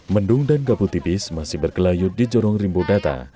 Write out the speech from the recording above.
mendung dan gabutipis masih berkelayut di jorong rimbudata